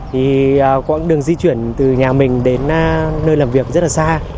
thì quãng đường di chuyển từ nhà mình đến nơi làm việc rất là xa